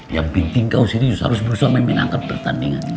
yang penting kau serius harus berusaha memenangkan pertandingan